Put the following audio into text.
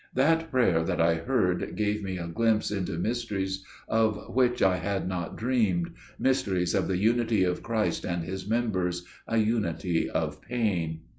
That prayer that I heard gave me a glimpse into mysteries of which I had not dreamed; mysteries of the unity of Christ and His members, a unity of pain.